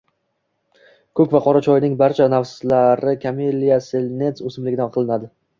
Ko’k va qora choyning barcha navlari Camellia Sinensis o’simligidan qilinadi.